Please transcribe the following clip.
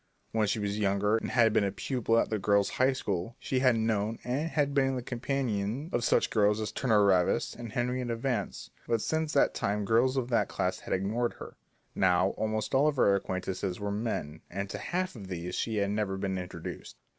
When she was younger and had been a pupil at the Girls' High School, she had known and had even been the companion of such girls as Turner Ravis and Henrietta Vance, but since that time girls of that class had ignored her. Now, almost all of her acquaintances were men, and to half of these she had never been introduced.